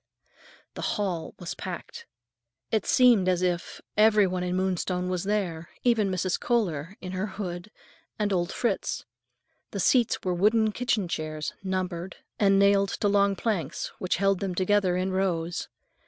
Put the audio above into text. The hall was packed. It seemed as if every one in Moonstone was there, even Mrs. Kohler, in her hood, and old Fritz. The seats were wooden kitchen chairs, numbered, and nailed to long planks which held them together in rows.